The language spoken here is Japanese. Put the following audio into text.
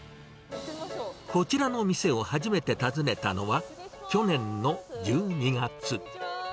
こちらの店を初めて訪ねたのは、去年の１２月。